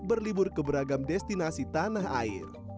berlibur ke beragam destinasi tanah air